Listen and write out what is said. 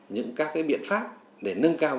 những các biện pháp để nâng cao